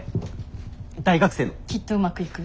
「きっと、うまくいく」？